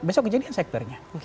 besok kejadian segbernya